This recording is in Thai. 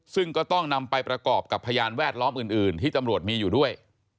ซึ่งก็ต้องนำไปประกอบกับพยานแวดล้อมอื่นที่ตำรวจมีอยู่ด้วย